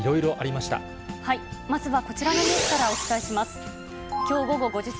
まずはこちらのニュースからお伝えします。